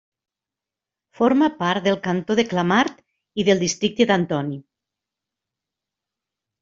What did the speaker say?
Forma part del cantó de Clamart i del districte d'Antony.